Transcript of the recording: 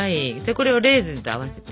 これをレーズンと合わせて。